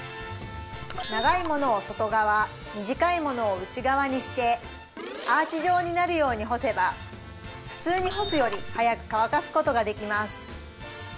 長いものを外側短いものを内側にしてアーチ状になるように干せば普通に干すより早く乾かすことができます